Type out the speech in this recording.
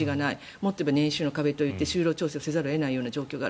もっと言えば年収の壁といって就労調整せざるを得ない状況がある。